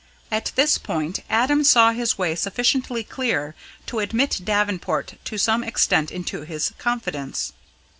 At this point Adam saw his way sufficiently clear to admit Davenport to some extent into his confidence.